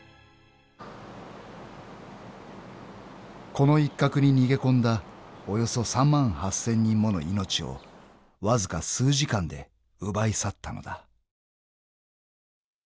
［この一角に逃げ込んだおよそ３万８，０００人もの命をわずか数時間で奪い去ったのだ］